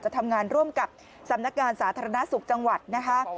ทำงานร่วมกับสำนักงานสาธารณสุขจังหวัดนะคะ